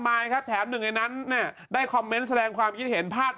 ยครับแถมหนึ่งในนั้นเนี่ยได้คอมเมนต์แสดงความคิดเห็นพาด